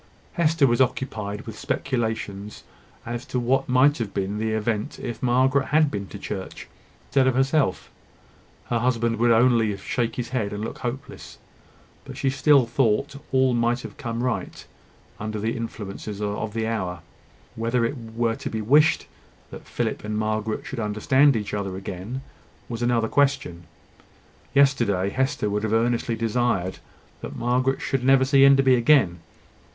Hester was occupied with speculations as to what might have been the event if Margaret had been to church instead of herself. Her husband would only shake his head, and look hopeless: but she still thought all might have come right, under the influences of the hour. Whether it were to be wished that Philip and Margaret should understand each other again, was another question. Yesterday Hester would have earnestly desired that Margaret should never see Enderby again.